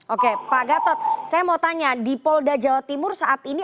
oke pak gatot saya mau tanya di polda jawa timur saat ini